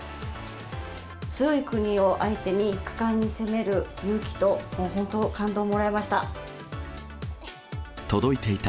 強い国を相手に果敢に攻める勇気と本当、感動をもらいました。